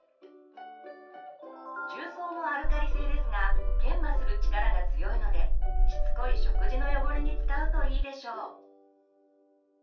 重曹もアルカリ性ですが研磨する力が強いのでしつこい食事の汚れに使うといいでしょう。